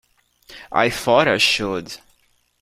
I thought I should.